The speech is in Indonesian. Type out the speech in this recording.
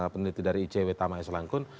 peneliti dari icw tama s langkun